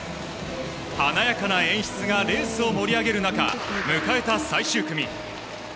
華やかな演出がレースを盛り上げる中迎えた最終組。